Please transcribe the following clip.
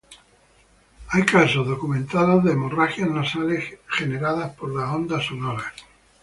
Hay casos documentados de hemorragias nasales generadas por las ondas sonoras.